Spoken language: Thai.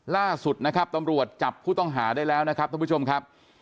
ล่าสุดนะครับตำรวจจับผู้ต้องหาได้แล้วนะครับท่านผู้ชมครับ